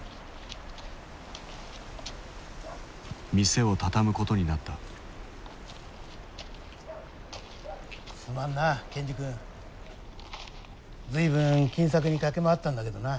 店を畳むことになったすまんなケンジ君随分金策に駆け回ったんだけどな。